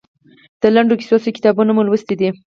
د لنډو کیسو څو کتابونه مو لوستي دي؟